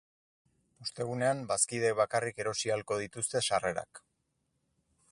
Ostegunean, bazkideek bakarrik erosi ahalko dituzte sarrerak.